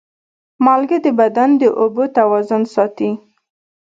مالګه د بدن د اوبو توازن ساتي.